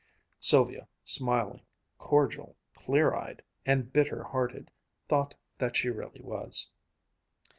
Sylvia, smiling, cordial, clear eyed and bitter hearted, thought that she really was.